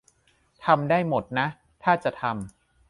ทำได้หมดนะถ้าจะทำ